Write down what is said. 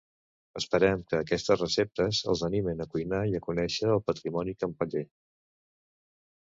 Esperem que aquestes receptes els animen a cuinar i a conèixer el patrimoni campeller